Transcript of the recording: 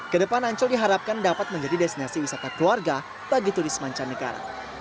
kedepan ancol diharapkan dapat menjadi destinasi wisata keluarga bagi turis mancanegara